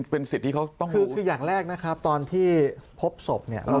เป็นสิทธิ์ที่เขาต้องคืออย่างแรกนะครับตอนที่พบศพเนี่ย